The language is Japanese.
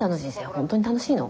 本当に楽しいの？